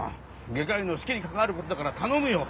外科医の士気に関わる事だから頼むよ。